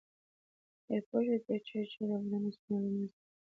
آیا پوهېږئ چې ډېر چای څښل د بدن اوسپنه له منځه وړي؟